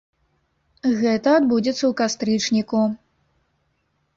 Гэта адбудзецца ў кастрычніку.